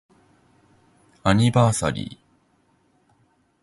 アニバーサリー